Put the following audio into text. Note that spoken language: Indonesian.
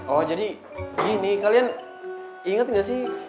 oh jadi gini kalian inget gak sih